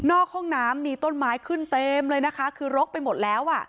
ห้องน้ำมีต้นไม้ขึ้นเต็มเลยนะคะคือรกไปหมดแล้วอ่ะ